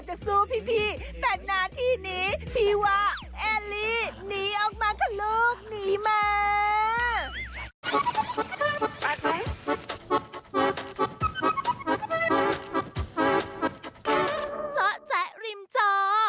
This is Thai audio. เอลลี่หนีออกมาค่ะลูกหนีมา